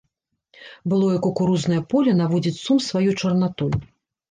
Былое кукурузнае поле наводзіць сум сваёй чарнатой.